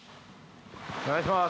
お願いします。